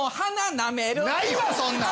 ないわそんなん！